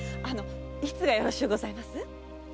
いつがよろしゅうございます？